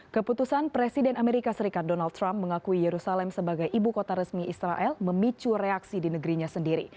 keputusan presiden amerika serikat donald trump mengakui yerusalem sebagai ibu kota resmi israel memicu reaksi di negerinya sendiri